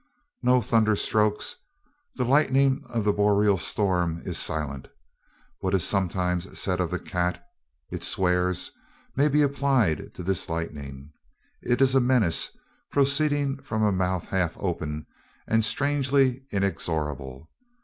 No thunderstrokes: the lightning of boreal storms is silent. What is sometimes said of the cat, "it swears," may be applied to this lightning. It is a menace proceeding from a mouth half open and strangely inexorable.